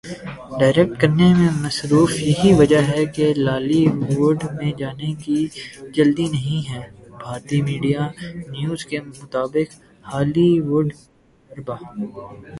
direct کرنے میں مصروف یہی وجہ ہے کہ لالی ووڈ میں جانے کی جلدی نہیں ہے بھارتی میڈیا نیوز کے مطابق ہالی ووڈ تجربہ